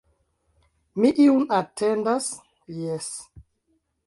Mi iun atendas, jes!